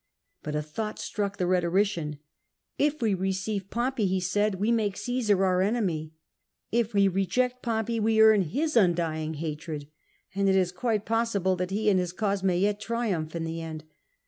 But a thought struck the rhetorician. " If we receive Pompey," he said, we make O^sar our enemy. If we reject Pompey, we earn his undying hatred : and it is quite possible that he and his cause may yet triumph in the end.